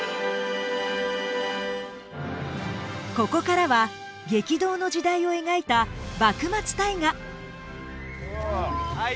ここからは激動の時代を描いた幕末大河。